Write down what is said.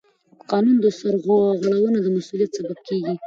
د قانون سرغړونه د مسؤلیت سبب کېږي.